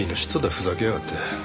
ふざけやがって。